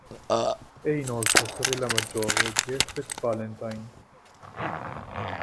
È inoltre sorella maggiore di Elphelt Valentine.